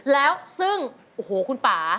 แล้วซึ่งโอ้โหคุณป่า